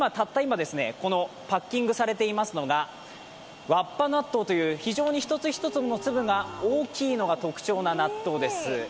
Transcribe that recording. このパッキングされていますのがわっぱ納豆という、非常に１つ１つの粒が大きいのが特徴の納豆です。